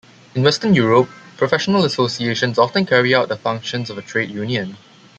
In Western Europe, professional associations often carry out the functions of a trade union.